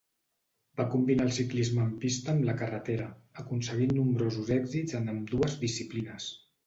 Va combinar el ciclisme en pista amb la carretera, aconseguint nombrosos èxits en ambdues disciplines.